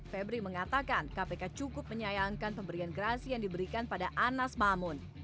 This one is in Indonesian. febri mengatakan kpk cukup menyayangkan pemberian gerasi yang diberikan pada anas mamun